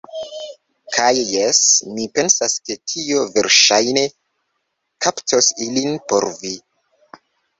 Kaj... jes, mi pensas ke tio verŝajne kaptos ilin por vi.